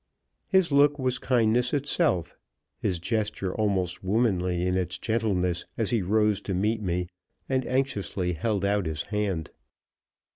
His look was kindness itself; his gesture almost womanly in its gentleness as he rose to meet me, and anxiously held out his hand.